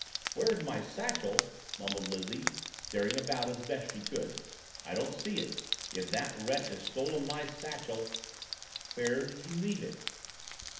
"Where's my satchel?" mumbled Lizzie, staring about as best she could. "I don't see it. If that wretch has stolen my satchel !" "Where did you leave it?"